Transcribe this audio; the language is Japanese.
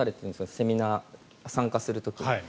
セミナー参加する時に。